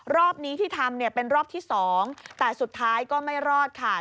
รอบนี้ที่ทำเนี่ยเป็นรอบที่๒แต่สุดท้ายก็ไม่รอดค่ะ